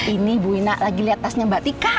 ini bu ina lagi liat tasnya mbak tika